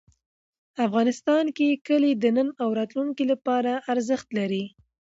افغانستان کې کلي د نن او راتلونکي لپاره ارزښت لري.